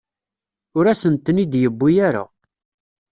Ur asen-ten-id-yewwi ara.